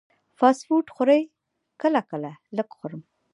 فاسټ فوډ خورئ؟ کله کله، لږ خورم